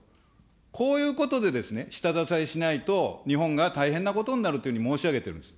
こういうことでですね、下支えしないと日本が大変なことになると申し上げてるんです。